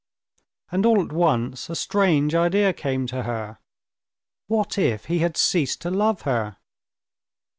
And all at once a strange idea came to her: what if he had ceased to love her?